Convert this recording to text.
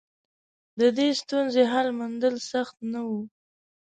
د دې ستونزې حل موندل سخت نه و.